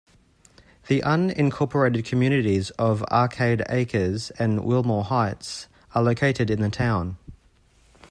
The unincorporated communities of Arcade Acres and Wilmoore Heights are located in the town.